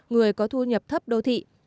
người có thu nhập thấp đô thị